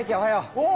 おう！